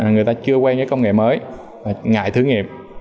người ta chưa quen với công nghệ mới ngại thử nghiệm